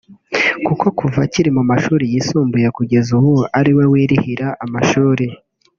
kuko kuva akiri mu mashuri yisumbuye kugeza ubu ari we wirihira amashuri